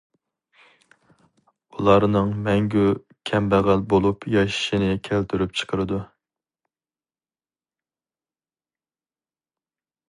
ئۇلارنىڭ مەڭگۈ كەمبەغەل بولۇپ ياشىشىنى كەلتۈرۈپ چىقىرىدۇ.